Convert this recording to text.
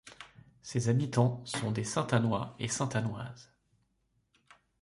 Ses habitants sont des Saintannois et Saintannoises.